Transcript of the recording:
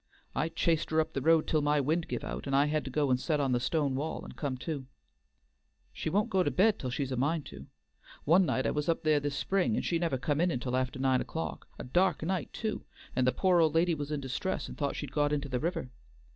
I chased her up the road till my wind give out, and I had to go and set on the stone wall, and come to. She won't go to bed till she's a mind to. One night I was up there this spring, and she never come in until after nine o'clock, a dark night, too; and the pore old lady was in distress, and thought she'd got into the river.